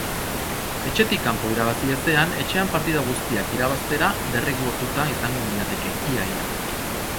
Etxetik kanpo irabazi ezean etxean partida guztiak irabaztera derrigortuta izango ginateke, ia-ia.